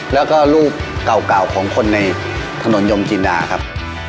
แล้วก็รูปเก่าของคนในถนนยมจินดาครับ